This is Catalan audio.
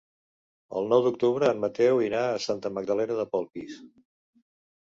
El nou d'octubre en Mateu anirà a Santa Magdalena de Polpís.